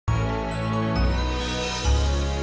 oleh karena aku